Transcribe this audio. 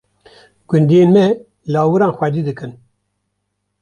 Gundiyên me, lawiran xwedî dikin.